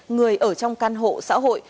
người ở trong căn hộ xã hội